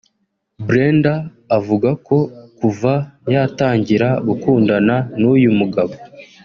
Brenda avuga ko kuva yatangira gukundana n’uyu mugabo